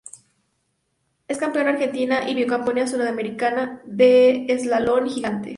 Es campeona argentina y bicampeona sudamericana de eslalon gigante.